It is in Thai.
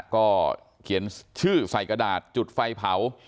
ก็เขียนชื่อใส่กระดาษจุดไฟเผา